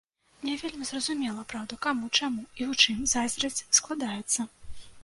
Не вельмі зразумела, праўда, каму, чаму і ў чым зайздрасць складаецца.